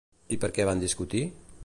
I per què van discutir?